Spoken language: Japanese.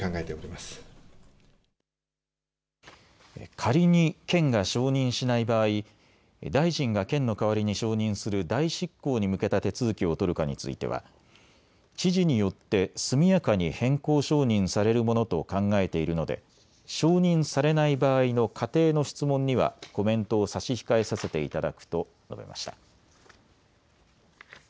仮に県が承認しない場合、大臣が県の代わりに承認する代執行に向けた手続きを取るかについては知事によって速やかに変更承認されるものと考えているので承認されない場合の仮定の質問にはコメントを差し控えさせていただくと述べました。